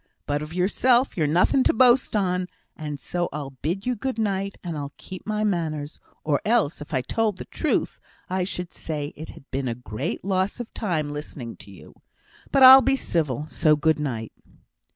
But of yoursel' you're nothing to boast on, and so I'll bid you good night, and I'll keep my manners, or else, if I told the truth, I should say it had been a great loss of time listening to you. But I'll be civil so good night.'